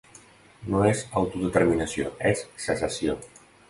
No és autodeterminació, és secessió.